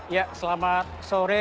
ya selamat sore